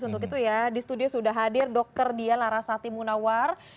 untuk itu ya di studio sudah hadir dr dia larasati munawar